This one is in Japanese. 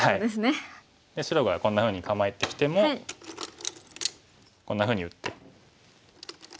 で白がこんなふうに構えてきてもこんなふうに打って。